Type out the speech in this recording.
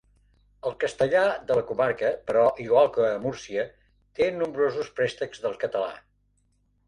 El castellà de la comarca, però, igual que a Múrcia, té nombrosos préstecs del català.